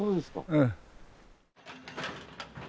ええ。